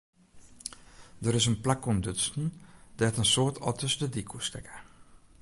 Der is in plak ûntdutsen dêr't in soad otters de dyk oerstekke.